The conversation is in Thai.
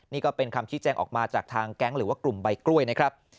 นี่ก็เป็นคำชี้แจงออกมาจากทางแก๊งหรือว่ากลุ่มใบกล้วยนะครับ